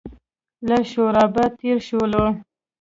له شورابه تېر شولو.